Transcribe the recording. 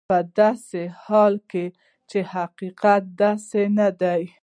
په داسې حال کې چې حقیقت داسې نه دی.